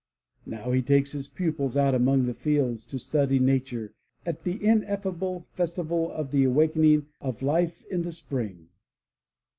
Now he takes his pupils out among the fields to study nature at the ineffable festival of the awakening of life in the Spring."